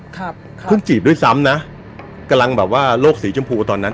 ครับค่ะเพิ่งจีบด้วยซ้ำนะกำลังแบบว่าโลกสีชมพูตอนนั้น